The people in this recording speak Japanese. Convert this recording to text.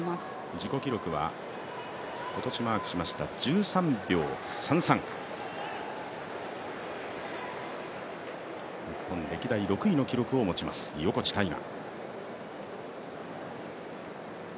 自己記録は今年マークしました１３秒３３日本歴代６位の記録を持ちます、横地大雅。